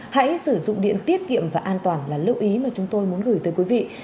hãy sử dụng điện tiết kiệm và an toàn là lưu ý mà chúng tôi muốn gửi tới quý vị